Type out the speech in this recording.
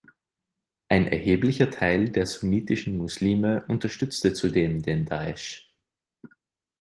Ein erheblicher Teil der sunnitischen Muslime unterstützte zudem den Daesch.